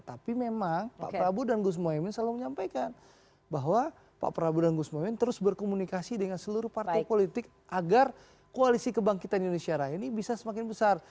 tapi memang pak prabowo dan gus mohaimin selalu menyampaikan bahwa pak prabowo dan gus mohaimin terus berkomunikasi dengan seluruh partai politik agar koalisi kebangkitan indonesia raya ini bisa semakin besar